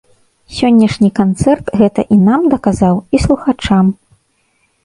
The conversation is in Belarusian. Сённяшні канцэрт гэта і нам даказаў, і слухачам.